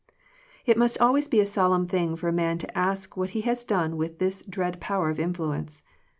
It must always be a solemn thing for a man to ask what he has done with this dread power of influence.